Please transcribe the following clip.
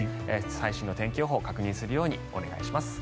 最新の天気予報確認するようにお願いします。